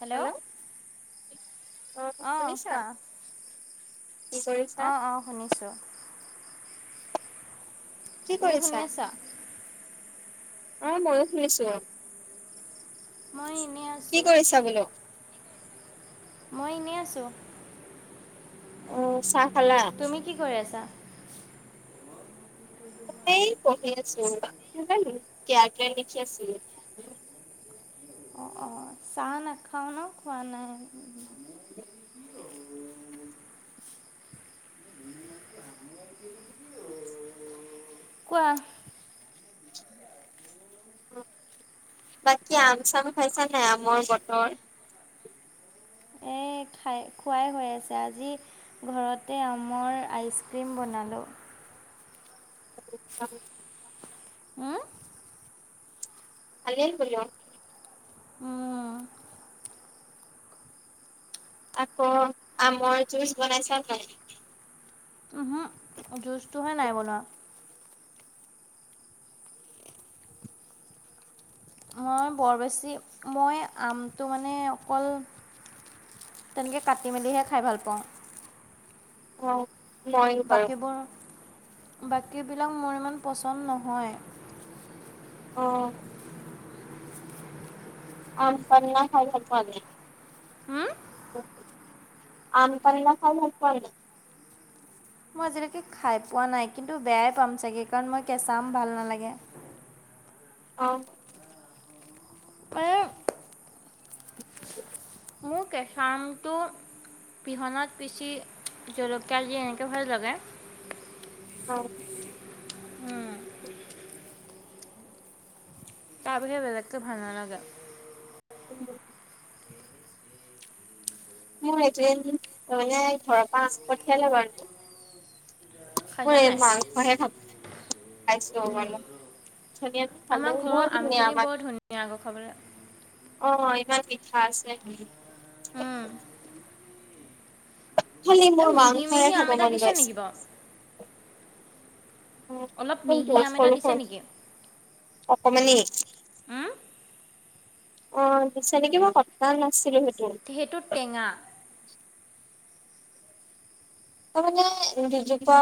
Hello hello অ অঁ, শুনিছা কোৱা কি কৰিছা? অঁ অঁ শুনিছোঁ। কি তুমি কৰিছা? শুনি আছা? অঁ মইয়ো শুনিছোঁ। মই এনেই আছোঁ। [unintelligible] গোলো মই ইনেই আছোঁ। উম, চাহ খালা? তুমি কি কৰি আছা? মই পঢ়ি আছো, [unintelligible] কিয়া কে লিখি আছিলোঁ। অঁ অঁ, চাহ নাখাওঁ ন' খোৱা নাই। [inaudible] কোৱা। বাকী আম চাম খাইছা নাই? আমৰ বতৰ। এ খাই খোৱাই হৈ আছে। আজি ঘৰতে আমৰ আইচক্ৰীম বনালোঁ। [inaudible] উম। ভালেই বোলো। আকৌ আমৰ জুচ বনাইচা নাই? ওহো জুচটোহে নাই বনোৱা। মই বৰ বেছি, মই আমটো মানে অকল তেনেকে কাটি মেলিহে, খাই ভাল পাওঁ। হুঁ বাকীবোৰ, বাকীবিলাক মোৰ ইমান পচন্দ নহয়। অঁ। আম পান্না খাই ভাল পোৱা নে? [unintelligible] আম পান্না খাই ভাল পোৱা [unintelligible] মই আজিলৈকে খাই পোৱা নাই, কিন্তু বেয়াই পাম চাগে কাৰণ মই কেঁচা আম ভাল নালাগে। অ',। মানে [inaudible] [unintelligible] কেঁচা আমটো পিহনাত পিচি জলকীয়া দি এনেকে ভাল লাগে। অ', উম, তাৰ বাহিৰে বেলেগ কে ভাল নালাগে। [inaudible] [unintelligible] ঘৰৰ পৰা [unintelligible] পঠিয়ালে বাৰু। খাইছা মোৰ এই নাই? মাংস [inaudible] [unintelligible] বৰ আমাৰ ঘৰৰ ধুনীয়া আমখিনি [inaudible] বৰ ধুনীয়া আকৌ খাবলৈ। অ', ইমান পিঠা আছে উম। [unintelligible] খালি এই মোৰ মিহি মাংস হে মিহি আম খাব এটা মন দিছে যায় [inaudible] নেকি বাৰু? অলপ মিহি আম এটা দিছে নেকি? [unintelligible] অকমানি। উম? অ', দিছে নেকি মই [unintelligible] নাছিলোঁ সেইটো। সেইটো টেঙা। তাৰ মানে দুজোপা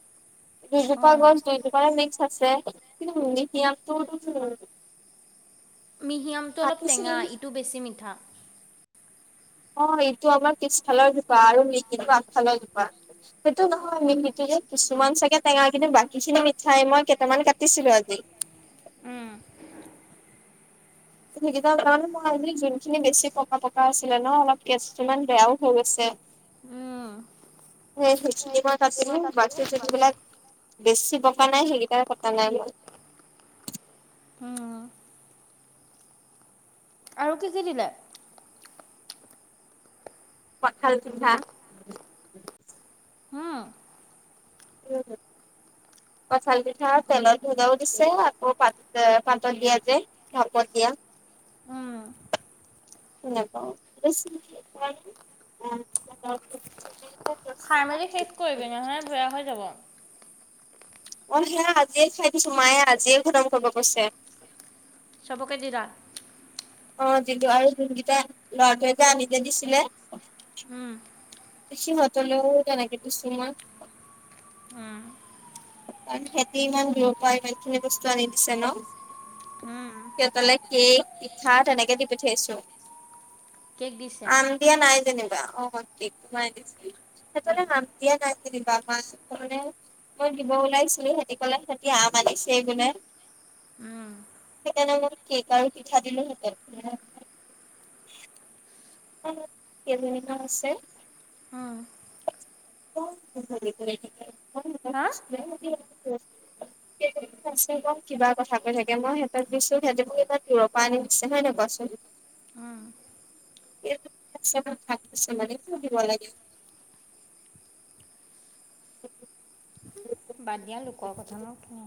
- দুজোপা অ'। গছ দি [inaudible] [inaudible] মিক্স আছে কিন্তু [unintelligible] মিহি আমটো অলপ কাটিছিল টেঙা, ইটো বেছি মিঠা। অ', ইটো আমাৰ পিছফালৰ জোপা, আৰু মিহিটো আগফালৰ জোপা, সেইটো নহয় মিহিটো যে কিছুমান চাগে টেঙা কিন্তু বাকীখিনি মিঠাই, মই কেইটামান কাটিছিলোঁ আজি উম সেইকেইটা কাৰণ মই যোনখিনি বেছি পকা পকা আছিলে ন, অলপ [unintelligible] কিছুমান বেয়াও হৈ গৈছে। [unintelligible] বাকী [unintelligible] বেছি পকা নাই, সেইকেইটাই কটা নাই মই। আৰু কি কি দিলে? কঠাল পিঠা। উম [unintelligible] কঠাল পিঠা তেলত [unintelligible] দিছে, আকৌ [unintelligible] পাতত দিয়া যে ভাপত দিয়া উম নেপাওঁ [inaudible] খাই মেলি শেষ কৰিবি নহ'লে বেয়া হৈ যাব। অ', সেয়া আজিয়ে খাই দিছোঁ, মায়ে আজিয়ে খতম কৰিব কৈছে। [unintelligible] অ', [unintelligible] যোনকেইটা [unintelligible] যে আনি দিছিলে। উম সিহঁতলৈও তেনেকে দিছোঁ [unintelligible] উম। [inaudible] সিহঁতি ইমান দূৰৰ পৰাই ইমান খিনি বস্তু আনি দিছে ন'। উম সিহঁতলে কেক [inaudible] [unintelligible] দি পঠিয়াইছোঁ। কেক দিছে এতিয়া নাই যেনিবা [unintelligible] সেইফালে নাম দিয়া নাই জেনিবা, [unintelligible] মই দিব ওলাইছিলোঁ, সিহঁতি ক'লে সিহঁতি আম আনিছে বোলে। উম [unintelligible] কেক আৰু পিঠা দিলোঁ [unintelligible] [unintelligible] উম [unintelligible] হা? [unintelligible] [unintelligible] কিবা কথা কৈ থাকে মই সিহতক দিছোঁ। সিহঁতে মোক ইমান দূৰৰ পৰা আনি দিছে হয় নে কোৱাচোন? উম [unintelligible] [inaudible] বাদ দিয়া লোকৰ কথানো কি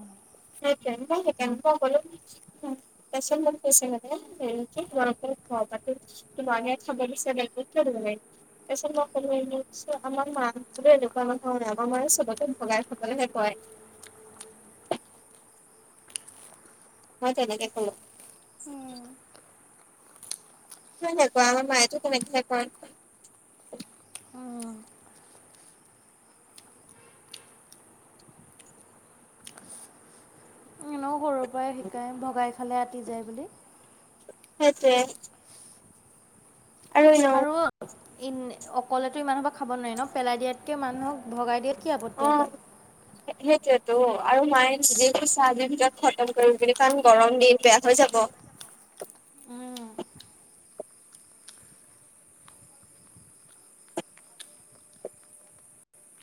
সেইটোয়ে মই সেইকাৰণে নগ'লো। তাৰ পিছত মোক কৈছে সিহঁতে এইটো কি তোমালোকৰ ঘৰৰ পৰাতো তোমাকহে খাব দিছে [unintelligible] তাৰপিছত মই ক'লো [unintelligible] আমাৰ মা বোলে এনেকুৱা মানুহ নহয় আমাৰ মানে চবকে ভগাই খাবলেহে কয়। মই তেনেকে ক'লো। [unintelligible] আমাৰ মায়েতো তেনেকেহে কয়। অ। সৰু পৰাই শিকায় ভগাই খালে আতি যায় বুলি। সেইটোৱে। আৰু এনেও অকলেতো ইমানসোপা খাব নোৱাৰি ন পেলাই দিয়াতকে মানুহক ভগাই দিয়াত কি অ আপত্তি আছে সেইটোয়েতো আৰু মায়ে যি [unintelligible] আজিৰ ভিতৰত খতম কৰিম বুলি কাৰণ গৰম দিন বেয়া হৈ যাব। উম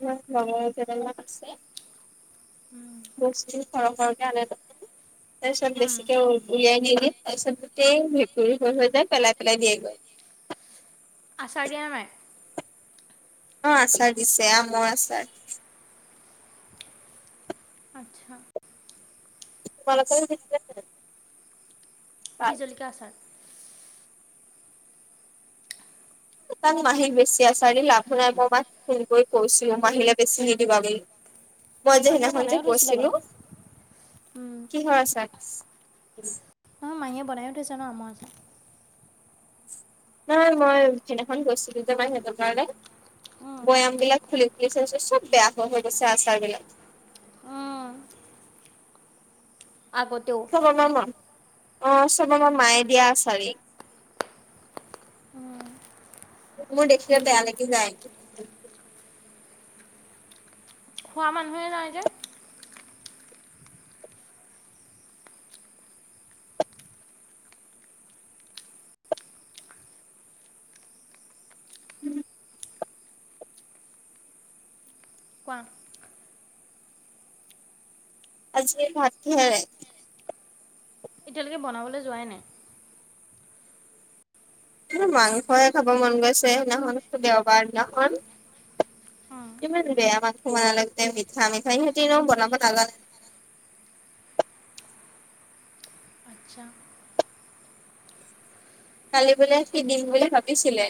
মোৰ লগৰ কেইজনীমান আছে উম বস্তু সৰহ সৰহকৈ আনে তাৰ পিছত উম বেছিকে উলিয়াই নিদিয়ে তাৰপিছত গোটেই ভেঁকুৰী হৈ হৈ যায় পেলাই পেলাই দিয়ে গৈ আচাৰ দিয়া নাই? অ আচাৰ দিছে আমৰ আচাৰ। আচ্ছা। তোমালোকলে দিছিলে নে? বিহজলকীয়া আচাৰ। মাহী বেছি আচাৰ দি লাভো নাই মই মাক ফোন কৰি কৈছো মাহিলে বেছি নিদিবা বুলি। মই যে মাহীয়ে সিদিনাখন যে বনায়ো থৈছিলে বাৰু কৈছিলো। কিহৰ আচাৰ? উম অ মাহীয়ে বনায়ো থৈছে ন আমৰ আচাৰ নহয় মই সেইদিনাখন গৈছিলো যে মাহীহঁতৰ ঘৰলে। বৈয়াম বিলাক খুলি খুলি চাইছো চব বেয়া হৈ হৈ গৈছে আচাৰবিলাক। আগতেও [unintelligible] অ চব আমাৰ মায়ে দিয়া আচাৰে। মোৰ দেখিয়ে বেয়া লাগি যায় খোৱা মানুহে নাই যে। উম। কোৱা। আজি ভাত কিহেৰে? এতিয়ালেকে বনাবলে যোৱাই নাই। মাংসয়ে খাব মন গৈছে সেইদিনাখন দেওবাৰ দিনাখন ইমান বেয়া মাংস বনালে। গোটেই মিঠা মিঠা সিঁহতি এনেও বনাব নাজানে। আচ্ছা কালি বোলে সি দিম বুলি ভাবিছিলে।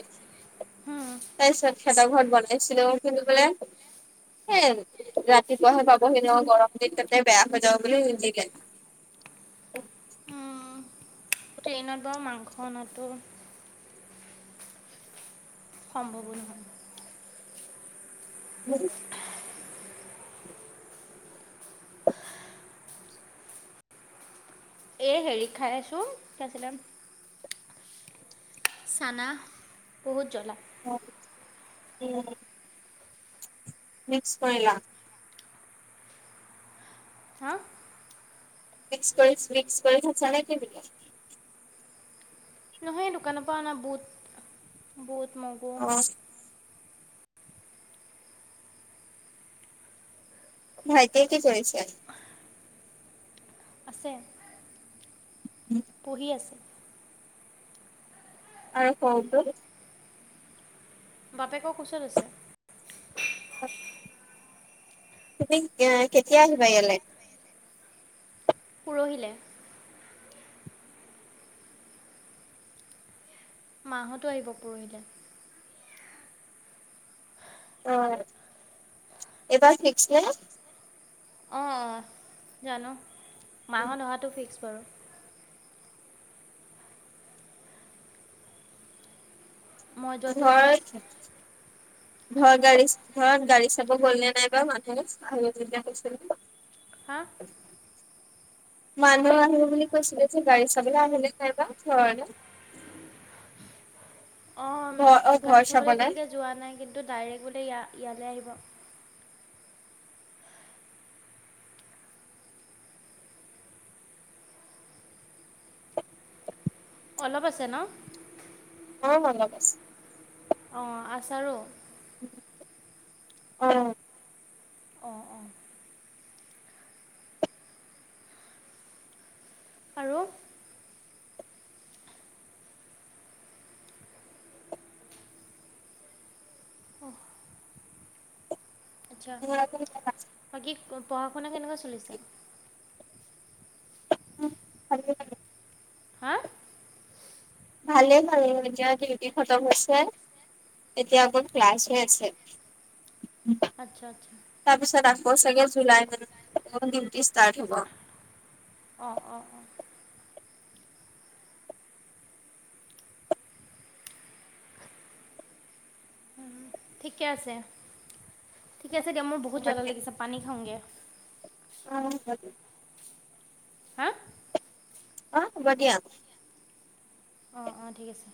তাৰপিছত খেদা ঘৰত বনাইছিলোঁ। কিন্তু বোলে সেই ৰাতিপুৱাহে পাবহি ন' গৰম দিন তাতে বেয়া হৈ যাব বুলি নিদিলে। ট্ৰেইনত বাৰু মাংস অনাটো সম্ভৱো নহয়। [unintelligible] এই হেৰি খাই আছোঁ। কি আছিলে চানা বহুত জ্বলা। অ' উম। মিক্স কৰিলা? হা মিক্স কৰি মিক্স খাইছা নে কি তুমি? নহয় এই দোকানৰ পৰা অনা বুট বুট মো অ'। ভাইটিয়ে কি কৰিছে? আছেঁ। উম। পঢ়ি আছেঁ। আৰু সৰুটো? বাপেকৰ কোচত আছে। ত। তুমি কেতিয়া আহিবা ইয়ালে? পৰহিলে। মাঁ হতো আহিব পৰহিলে। অ', এইবাৰ ফিক্স নে? অ', জানো, মাঁ হত অহাটো ফিক্স বাৰু। মই যোৱাটোও ফিক্স ঘৰ, ঘৰৰ গাড়ী ঘৰত গাড়ী চাব গ'লনে নাইবা মানুহ? আহিব বুলি কৈছিল। হা? [inaudible] মানুহ আহিব বুলি কৈছিলে যে, গাৰি চাবলৈ, আহিলেনে নাই বা। অ', ঘৰ অ গাড়ী ঘৰ থ'বলৈ চাবলে এতিয়ালৈকে যোৱা নাই, কিন্তু ডাইৰেক্ট বোলে ই ইয়ালৈ আহিব। অলপ আছে ন'? অ', অলপ আছেঁ। অ', আছাৰো। অ'। অ', অ'। আৰু? অ'। আচ্ছা, বাকী পঢ়া শুনা কেনেকুৱা চলিছে? ভালেই আৰু। হা? ভালেই বাৰু, এতিয়া ডিউটি খতম হৈছে, এতিয়া অকল ক্লাছ হৈ আছেঁ। উম। আচ্ছা আচ্ছা। তাৰপিছত আকৌ চাগে, জুলাই মানত [unintelligible] ডিউটি ষ্টাৰ্ট হ'ব। অ', অ', অ'। উম, ঠিকেই আছে, ঠিকেই আছে দিয়া, মোৰ বহুত হ'ব। জ্বলা লাগিছে, পানী খাওঁগৈ। অহ [unintelligible] হা? অ', হ'ব দিয়া। অ', অ', ঠিক আছে।